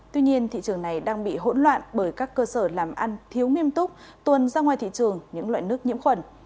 tuy nhiên thị trường này đang bị hỗn loạn bởi các cơ sở làm ăn thiếu nghiêm túc tuân ra ngoài thị trường những loại nước nhiễm khuẩn